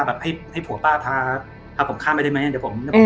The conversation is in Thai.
แบบให้ให้ผัวป้าพาพาผมข้ามไปได้ไหมอ่าเดี๋ยวผมอืม